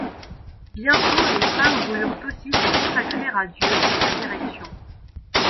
Bientôt les femmes voulurent aussi se consacrer à Dieu sous sa direction.